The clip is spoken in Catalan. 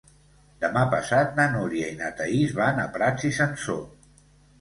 Demà passat na Núria i na Thaís van a Prats i Sansor.